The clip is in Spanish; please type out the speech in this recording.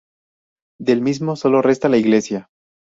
Del mismo solo resta la iglesia.